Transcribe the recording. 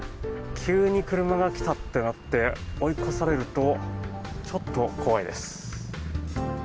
急に車が来たってなって追い越されるとちょっと怖いです。